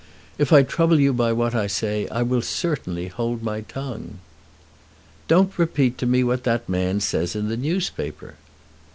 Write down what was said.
"If I trouble you by what I say, I will certainly hold my tongue." "Don't repeat to me what that man says in the newspaper."